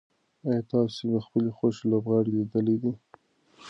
ایا تاسي د خپلې خوښې لوبغاړی لیدلی دی؟